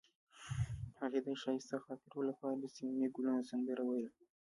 هغې د ښایسته خاطرو لپاره د صمیمي ګلونه سندره ویله.